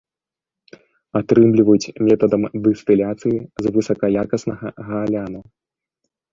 Атрымліваюць метадам дыстыляцыі з высакаякаснага гааляну.